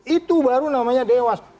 itu baru namanya dewasa